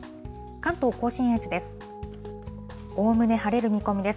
関東甲信越です。